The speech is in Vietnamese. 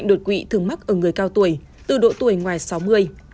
đột quỵ thường mắc ở người cao tuổi từ độ tuổi ngoài sáu mươi